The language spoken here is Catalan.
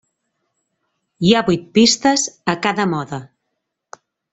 Hi ha vuit pistes a cada mode.